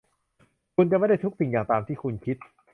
คุณจะไม่ได้ทุกสิ่งทุกอย่างตามที่คุณคิด